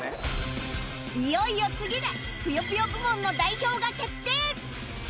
いよいよ次で『ぷよぷよ』部門の代表が決定！